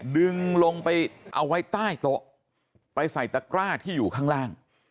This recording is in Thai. ดึงลงไปเอาไว้ใต้โต๊ะไปใส่ตะกร้าที่อยู่ข้างล่าง